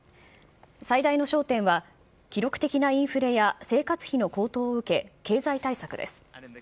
最大の焦点は、記録的なインフレや生活費の高騰を受け、経済対策です。